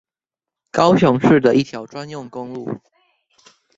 高雄市的一條專用公路